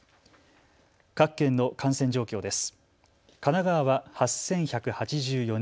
各県の感染状況です。